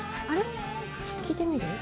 聞いてみる？